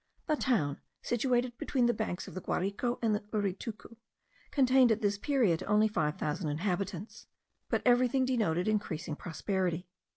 The town, situated between the banks of the Guarico and the Uritucu, contained at this period only five thousand inhabitants; but everything denoted increasing prosperity.